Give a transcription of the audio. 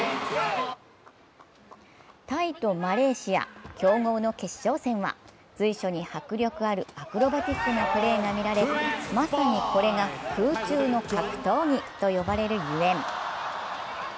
タイとマレーシア、強豪の決勝戦は随所に迫力あるアクロバティックなプレーが見られまさにこれが空中の格闘技と呼ばれるゆえん。